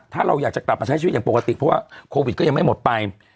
ถ้าเราอยากจะกลับมาใช้ชีวิตอย่างปกติเพราะว่าโควิดก็ยังไม่หมดไป